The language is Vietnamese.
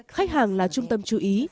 khách hàng là trung tâm chú ý